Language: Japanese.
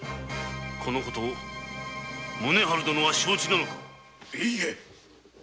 この事を宗春殿は承知なのか？